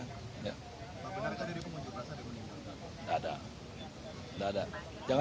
pak benar tadi pengunjung rasa di penanggung jawaban